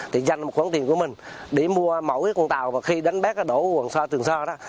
thì dành một khoản tiền của mình để mua mẫu cái con tàu và khi đánh bét đổ tường so đó